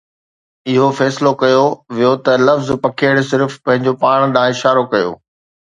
اهو فيصلو ڪيو ويو ته لفظ پکيڙ صرف پنهنجو پاڻ ڏانهن اشارو ڪيو